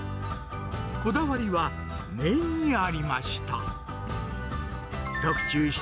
こだわりは、麺にありました。